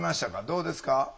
どうですか？